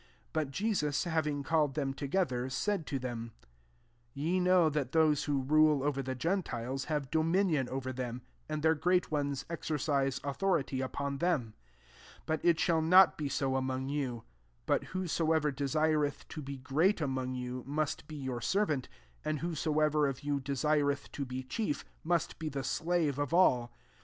42 But Jesus, having called them together, said to them^ '^Ye know that those who rule over the gentiles have dominion over them ; and their great ones exercise authority upon them. 43 But it shall not be so among you : but whoso ever desireth to be great among you, must be your servant : 44 and whosoever of you, desireth to be chief, must be the slave of all.